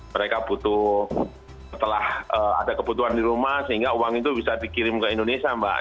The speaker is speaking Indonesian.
mereka butuh setelah ada kebutuhan di rumah sehingga uang itu bisa dikirim ke indonesia mbak